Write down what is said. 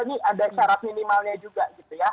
ini ada syarat minimalnya juga gitu ya